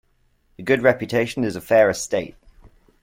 A good reputation is a fair estate.